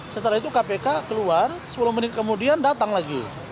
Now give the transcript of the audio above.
setelah itu kpk keluar sepuluh menit kemudian datang lagi